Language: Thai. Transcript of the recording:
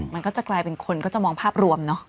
มันก็จะกลายเป็นคนก็จะมองภาพรวมเนอะ